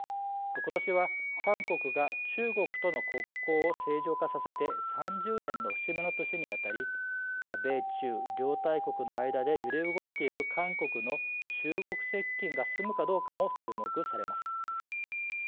ことしは韓国が中国との国交を正常化させて３０年の節目の年にあたり米中両大国の間で揺れ動いている韓国の中国接近が進むかどうかも注目されます。